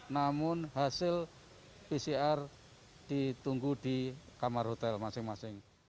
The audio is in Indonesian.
namun hasil pcr ditunggu di kamar hotel masing masing